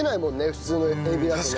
普通のエビだとね。